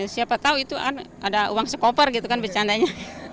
siapa tau itu ada uang sekoper gitu kan bercandanya